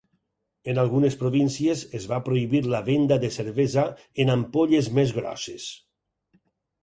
En algunes províncies es va prohibir la venda de cervesa en ampolles més grosses.